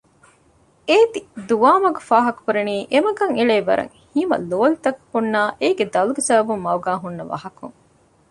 އޭތި ދުވާމަގު ފާހަކަކުރަނީ އެމަގަށް އެޅޭ ވަރަށް ހިމަލޯލިތަކަކުންނާ އޭގެ ދަލުގެ ސަބަބުން މަގުގައި ހުންނަ ވަހަކުން